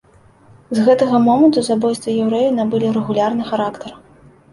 З гэтага моманту забойствы яўрэяў набылі рэгулярны характар.